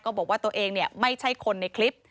บอกว่าตัวเองไม่ใช่คนในคลิป